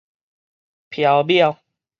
飄渺